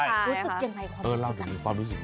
รู้สึกยังไงความรู้สึก